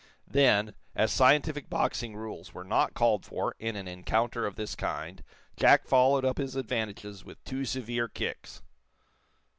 Then, as scientific boxing rules were not called for in an encounter of this kind, Jack followed up his advantages with two severe kicks.